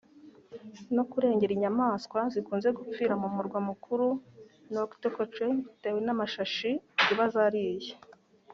no kurengera inyamaswa zikunze gupfira mu murwa mukuru Nouakchott bitewe n’amashashi ziba zariye